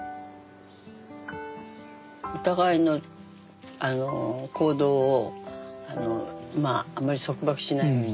お互いの行動をあまり束縛しないように。